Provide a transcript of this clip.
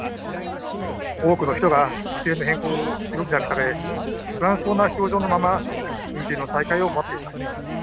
多くの人が予定の変更を余儀なくされ不安そうな表情のまま運転の再開を待っています。